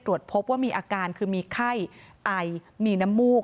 ตรวจพบว่ามีอาการคือมีไข้ไอมีน้ำมูก